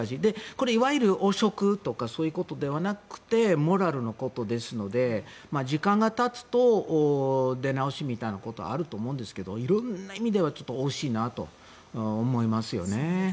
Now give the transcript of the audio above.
これ、いわゆる汚職とかそういうことではなくてモラルのことですので時間がたつと出直しみたいなことはあると思うんですが色々な意味で惜しいなと思いますよね。